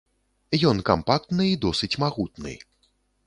Ён кампактны і досыць магутны.